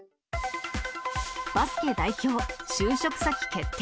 バスケ代表、就職先決定。